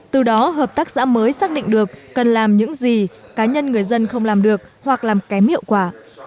từ đó hợp tác xã mới xác định được cần làm những gì cá nhân người dân không làm được hoặc làm kém hiệu quả